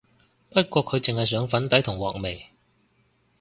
不過佢淨係上粉底同畫眉